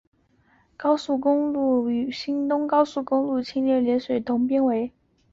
高速公路路线编号与新东名高速公路清水联络路被共同编为。